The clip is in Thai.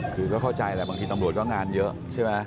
คือก็เข้าใจแหละบางทีตำรวจก็งานเยอะใช่ไหม